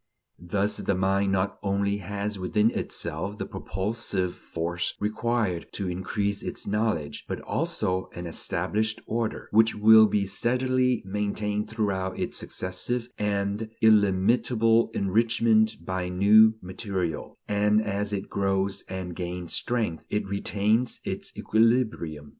Thus the mind not only has within itself the propulsive force required to increase its knowledge, but also an established order, which will be steadily maintained throughout its successive and illimitable enrichment by new material; and as it grows and gains strength, it retains its "equilibrium."